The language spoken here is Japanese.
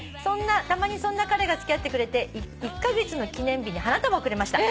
「たまにそんな彼が付き合ってくれて１カ月の記念日に花束をくれました」